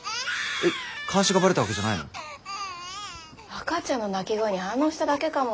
赤ちゃんの泣き声に反応しただけかも。